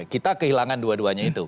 kita kehilangan dua duanya itu